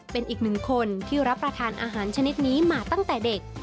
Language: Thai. เป็นอีกหนึ่งคนที่รับประทานอาหารชนิดนี้มาตั้งแต่เด็ก